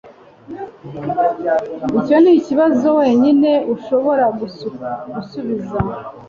Icyo nikibazo wenyine ashobora gusubiza.